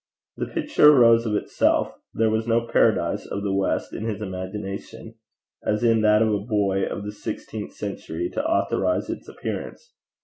The picture arose of itself: there was no paradise of the west in his imagination, as in that of a boy of the sixteenth century, to authorize its appearance.